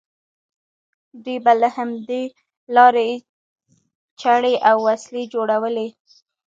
دوی به له همدې لارې چړې او وسلې جوړولې.